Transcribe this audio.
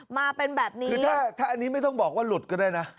มาเป็นแบบนี้คือถ้าอันนี้ไม่ต้องบอกว่าหลุดก็ได้นะ